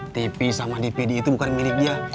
tp sama dpd itu bukan milik dia